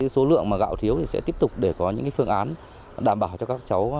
số lượng mà gạo thiếu thì sẽ tiếp tục để có những phương án đảm bảo cho các cháu